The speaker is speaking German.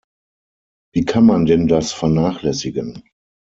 Wie kann man denn das vernachlässigen!